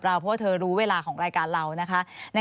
ควิทยาลัยเชียร์สวัสดีครับ